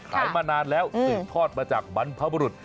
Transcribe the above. มานานแล้วสืบทอดมาจากบรรพบุรุษ